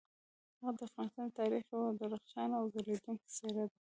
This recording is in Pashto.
هغه د افغانستان د تاریخ یوه درخشانه او ځلیدونکي څیره ده.